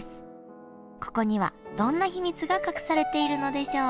ここにはどんな秘密が隠されているのでしょう？